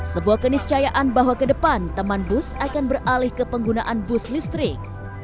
sebuah keniscayaan bahwa ke depan teman bus akan beralih ke penggunaan bus listrik